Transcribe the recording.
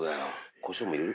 コショウも入れる？